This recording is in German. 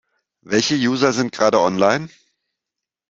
Welche User sind gerade online?